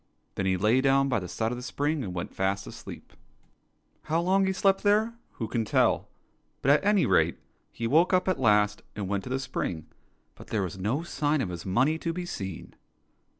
Then he lay down by the side of the spring and went fast asleep. How long he slept there, who can tell } but at any rate he woke up at last and went to the spring, but there was no sign of his money to be seen.